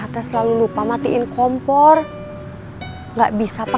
tak ada apa apa